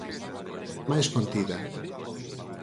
Máis contida.